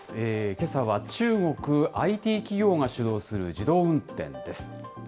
けさは中国ＩＴ企業が主導する自動運転です。